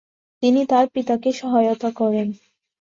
তিনি তার পিতাকে সহায়তা করেন।